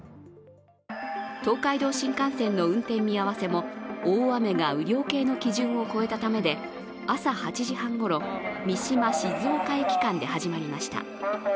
東海道新幹線の運転見合わせも大雨が雨量計の基準を超えたためで朝８時半ごろ、三島−静岡駅間で始まりました。